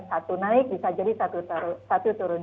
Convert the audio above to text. satu naik bisa jadi satu turun